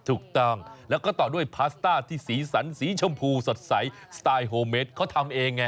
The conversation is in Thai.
ถูกต้องแล้วก็ต่อด้วยพาสต้าที่สีสันสีชมพูสดใสสไตล์โฮเมดเขาทำเองไง